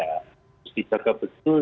harus dicaga betul